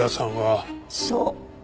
そう。